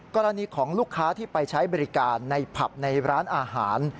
กรณีของลูกค้าที่ไปใช้บริการในผับในร้านอาหาร